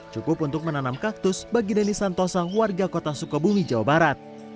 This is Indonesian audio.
cukup untuk menanam kaktus bagi denny santosa warga kota sukabumi jawa barat